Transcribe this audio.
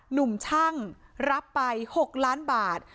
หนุ่มช่างรับไป๖ล้านบาท